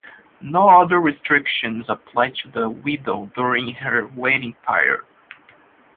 No other restrictions apply to a widow during her waiting period.